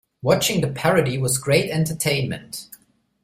Watching the parody was great entertainment.